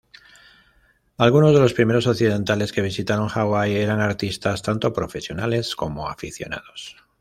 Algunos de los primeros occidentales que visitaron Hawái eran artistas, tanto profesionales como aficionados.